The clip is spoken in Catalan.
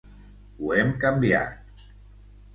Ho hem canviat.